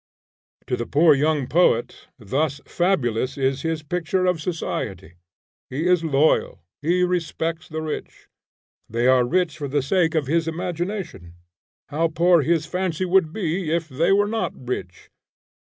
To the poor young poet, thus fabulous is his picture of society; he is loyal; he respects the rich; they are rich for the sake of his imagination; how poor his fancy would be, if they were not rich!